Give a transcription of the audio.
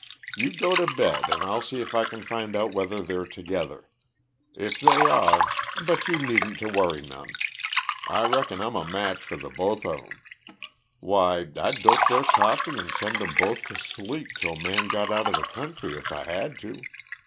You go to bed, and I'll see if I can find out whether they're together. If they are but you needn't to worry none. I reckon I'm a match for the both of 'em. Why, I'd dope their coffee and send 'em both to sleep till Man got outa the country, if I had to!"